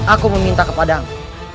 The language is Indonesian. aku meminta kepadamu